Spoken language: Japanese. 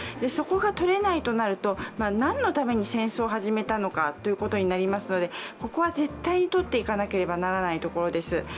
そこが取れないとなると、何のために戦争を始めたのかということになりますのでここは絶対に取っていかなければならないところです。